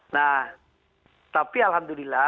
nah tapi alhamdulillah